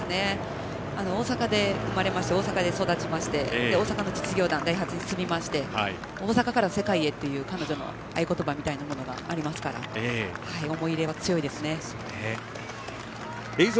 大阪で生まれまして大阪で育って大阪の実業団ダイハツに進みまして大阪から世界へという彼女の合言葉みたいなものがありますから思い入れは強いですね。